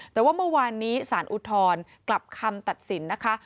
แต่ว่าเมื่อวานนี้สารอุทธรณ์กลับคำตัดสินนะคะ